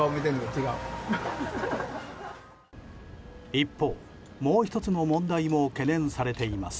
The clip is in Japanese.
一方、もう１つの問題も懸念されています。